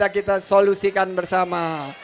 kita solusikan bersama